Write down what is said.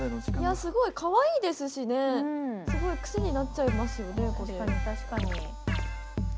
すごいかわいいですしクセになっちゃいますよね。